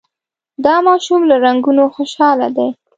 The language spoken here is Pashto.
دا ماشوم له رنګونو خوشحاله دی.